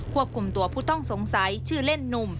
ควบคุมตัวผู้ต้องสงสัยชื่อเล่นหนุ่ม